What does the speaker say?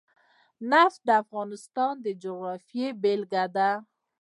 نفت د افغانستان د جغرافیې بېلګه ده.